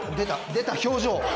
出た表情。